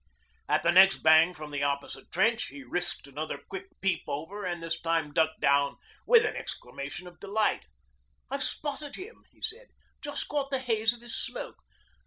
At the next bang from the opposite trench he risked another quick peep over and this time ducked down with an exclamation of delight. 'I've spotted him.' he said. 'Just caught the haze of his smoke.